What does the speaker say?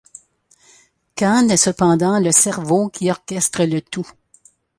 Khan est cependant le cerveau qui orchestre le tout.